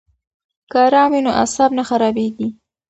که آرام وي نو اعصاب نه خرابیږي.